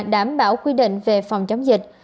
đảm bảo quy định về phòng chống dịch